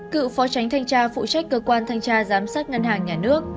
cựu phó tránh thanh tra phụ trách cơ quan thanh tra giám sát ngân hàng nhà nước